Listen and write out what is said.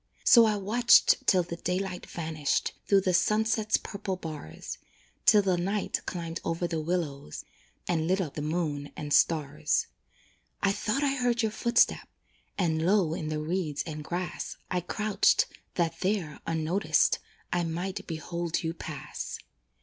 So I watched till the daylight vanished Through the sunset's purple bars, Till the night climbed over the willows, And lit up the moon and stars. I thought I heard your footstep, And low in the reeds and grass I crouched, that there, unnoticed, I might behold you pass.